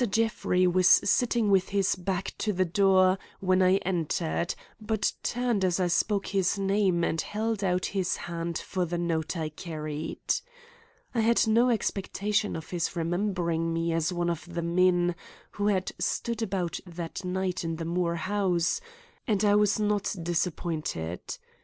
Jeffrey was sitting with his back to the door when I entered, but turned as I spoke his name and held out his hand for the note I carried. I had no expectation of his remembering me as one of the men who had stood about that night in the Moore house, and I was not disappointed.